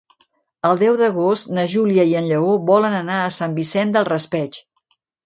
El deu d'agost na Júlia i en Lleó volen anar a Sant Vicent del Raspeig.